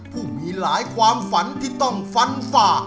ผู้มีหลายความฝันที่ต้องฟันฝ่า